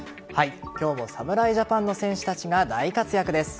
今日も侍ジャパンの選手たちが大活躍です。